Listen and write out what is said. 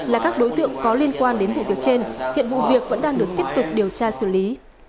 là các đối tượng có liên quan đến vụ việc trên hiện vụ việc vẫn đang được tiếp tục điều tra xử lý